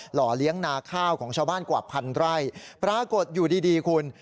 ห่อเลี้ยงนาข้าวของชาวบ้านกว่าพันไร่ปรากฏอยู่ดีดีคุณ